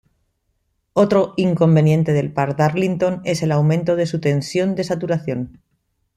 Otro inconveniente del par Darlington es el aumento de su tensión de saturación.